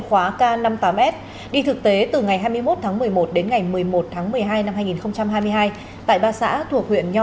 khóa k năm mươi tám s đi thực tế từ ngày hai mươi một tháng một mươi một đến ngày một mươi một tháng một mươi hai năm hai nghìn hai mươi hai tại ba xã thuộc huyện nho